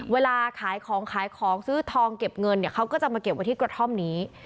เวลาขายของขายของซื้อทองเก็บเงินเนี่ยเขาก็จะมาเก็บไว้ที่กระท่อมนี้